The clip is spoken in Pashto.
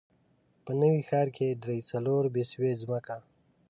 په نوي ښار کې درې، څلور بسوې ځمکه.